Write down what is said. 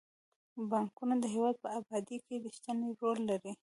بانکونه د هیواد په ابادۍ کې رښتینی رول لري.